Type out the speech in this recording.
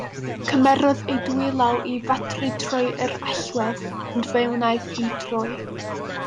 Cymerodd ei dwy law i fedru troi yr allwedd, ond fe wnaeth hi droi.